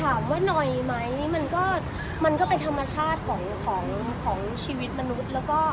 ถามว่าน้อยไหมมันก็เป็นธรรมชาติของชีวิตมนุษย์